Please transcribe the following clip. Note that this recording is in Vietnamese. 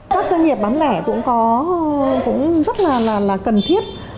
các doanh nghiệp bán lẻ cũng rất là cần thiết